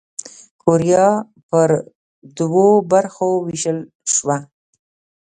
کوریا پر دوو برخو ووېشل شوه.